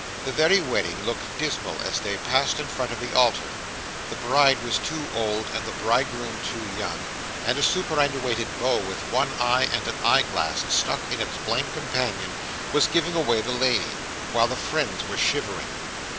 The very wedding looked dismal as they passed in front of the altar. The bride was too old and the bridegroom too young, and a superannuated beau with one eye and an eyeglass stuck in its blank companion, was giving away the lady, while the friends were shivering.